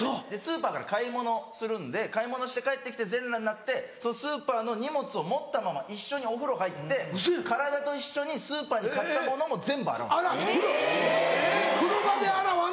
スーパーから買い物するんで買い物して帰って来て全裸になってそのスーパーの荷物を持ったまま一緒にお風呂入って体と一緒にスーパーで買ったものも全部洗うんですよ。